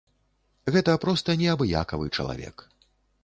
Гэта проста неабыякавы чалавек.